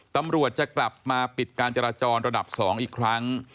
ตำรวจจะกลับมาปิดการจราจรระดับ๒อีกครั้ง